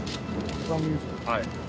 はい。